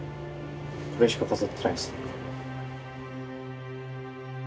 これしか飾ってないです。